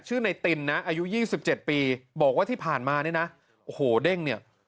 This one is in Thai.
ชื่อในตินนะอายุยี่สิบเจ็ดปีบอกว่าที่ผ่านมาเนี่ยนะโอ้โหเด้งเนี่ย